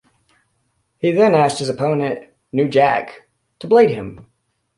He then asked his opponent, New Jack, to blade him.